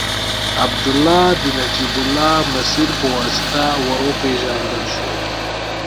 عبدالله د نجیب الله مسیر په واسطه ور وپېژندل شو.